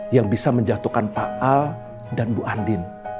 yang bisa menjatuhkan pak al dan bu andin